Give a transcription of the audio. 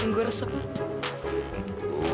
tunggu resep lu